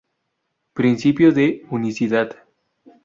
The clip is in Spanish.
Principio de unicidad.